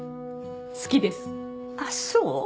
好きですあっそう？